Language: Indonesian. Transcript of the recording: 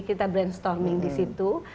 kita brainstorming di situ